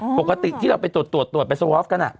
ปกติที่เราไปตรวจไปสวอร์ฟกัน